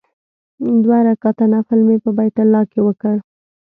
دوه رکعاته نفل مې په بیت الله کې وکړ.